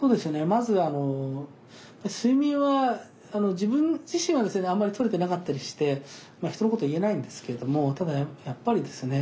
まず睡眠は自分自身はですねあんまり取れてなかったりして人のこと言えないんですけれどもただやっぱりですね